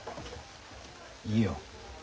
いいよ。